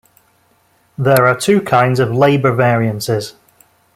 There are two kinds of labour variances.